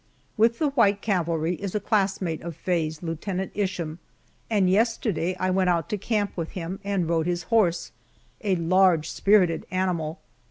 With the white cavalry is a classmate of Faye's, Lieutenant Isham, and yesterday I went out to camp with him and rode his horse, a large, spirited animal.